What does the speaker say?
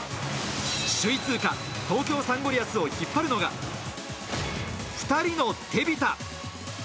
首位通過、東京サンゴリアスを引っ張るのが２人のテビタ。